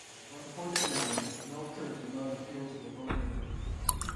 Unfortunately, Melkert did not appeal to the voter.